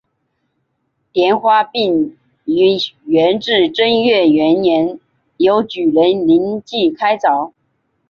莲花井于元至正元年由举人林济开凿。